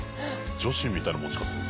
女子みたいな持ち方。